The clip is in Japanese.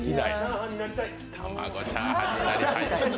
チャーハンになりたい！